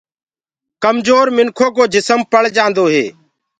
ڪمجور منکُو ڪو جسم پݪ جآندو هي۔